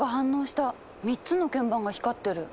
３つの鍵盤が光ってる！